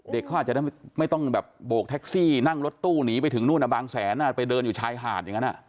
เขาอาจจะไม่ต้องแบบโบกแท็กซี่นั่งรถตู้หนีไปถึงนู่นบางแสนไปเดินอยู่ชายหาดอย่างนั้น